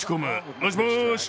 もしもーし。